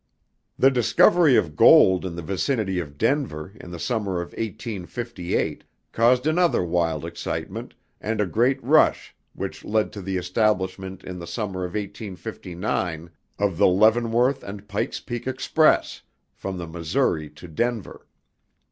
The discovery of gold in the vicinity of Denver in the summer of 1858 caused another wild excitement and a great rush which led to the establishment in the summer of 1859 of the Leavenworth and Pike's Peak Express, from the Missouri to Denver.